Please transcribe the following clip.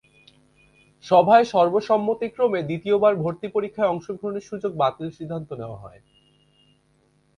সভায় সর্বসম্মতিক্রমে দ্বিতীয়বার ভর্তি পরীক্ষায় অংশগ্রহণের সুযোগ বাতিলের সিদ্ধান্ত নেওয়া হয়।